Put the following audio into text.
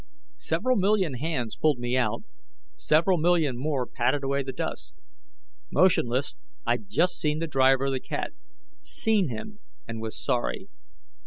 Several million hands pulled me out; several million more patted away the dust. Motionless, I'd just seen the driver of the cat. Seen him and was sorry.